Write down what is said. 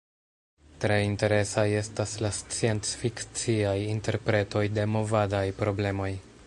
Tre interesaj estas la sciencfikciaj interpretoj de movadaj problemoj.